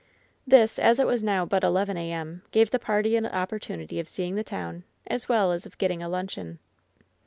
This, as it was now but 11 a.ic., gave the party an opportunity of seeing the town, as wdl as of getting a luncheon.